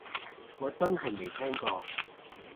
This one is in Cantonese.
我真係未聽過